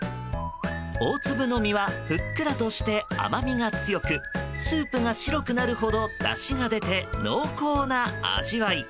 大粒の身はふっくらとして甘みが強くスープが白くなるほどだしが出て濃厚な味わい。